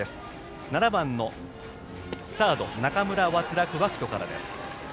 ７番のサード中村ワツラフ和玖斗からです。